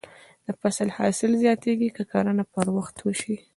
د فصل حاصل زیاتېږي که کرنه پر وخت وشي.